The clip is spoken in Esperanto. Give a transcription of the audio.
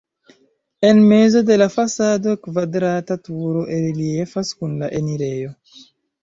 En mezo de la fasado kvadrata turo reliefas kun la enirejo.